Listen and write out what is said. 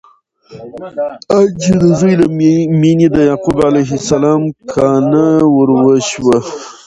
آن چې د زوی له مینې د یعقوب علیه السلام کانه وروشوه!